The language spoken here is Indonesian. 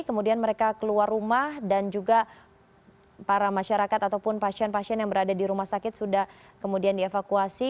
kemudian mereka keluar rumah dan juga para masyarakat ataupun pasien pasien yang berada di rumah sakit sudah kemudian dievakuasi